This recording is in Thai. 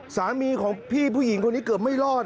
สามีของพี่ผู้หญิงคนนี้เกือบไม่รอด